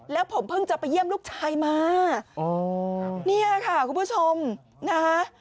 แล้วผมเพิ่งจะไปเยี่ยมลูกชายมาอ๋อเนี่ยค่ะคุณผู้ชมนะคะ